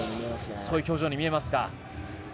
そういう表情に見えますが。